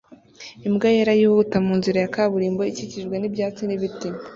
Imbwa yera yihuta mu nzira ya kaburimbo ikikijwe n'ibyatsi n'ibiti